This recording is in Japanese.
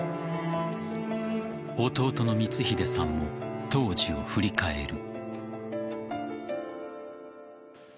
弟の光英さんも当時を振り返る。